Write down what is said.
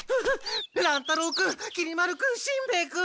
乱太郎君きり丸君しんべヱ君。